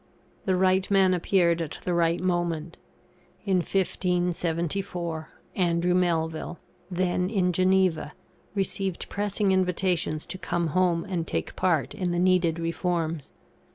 The right man appeared at the right moment. In 1574, Andrew Melville, then in Geneva, received pressing invitations to come home and take part in the needed reforms.